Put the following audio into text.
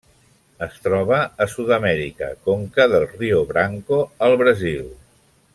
Es troba a Sud-amèrica: conca del riu Branco al Brasil.